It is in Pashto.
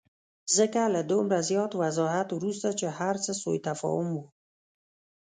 ځکه له دومره زیات وضاحت وروسته چې هرڅه سوءتفاهم وو.